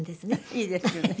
いいですよね。